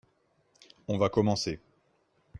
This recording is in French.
On va commencer.